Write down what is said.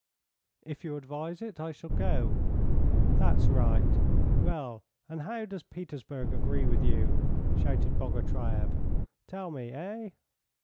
"If you advise it I shall go." "That's right. Well, and how does Petersburg agree with you?" shouted Bogatyreff. "Tell me. Eh?"